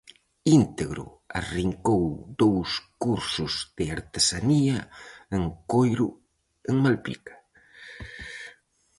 Íntegro arrincou dous cursos de artesanía en coiro en Malpica.